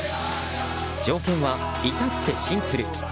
条件はいたってシンプル。